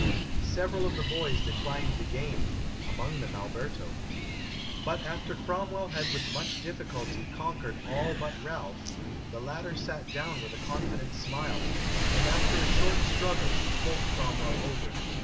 Several of the boys declined the game among them Alberto. But after Cromwell had with much difficulty conquered all but Ralph, the latter sat clown with a confident smile, and after a short struggle pulled Cromwell over.